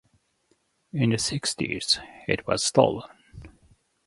In the sixties, it was stolen.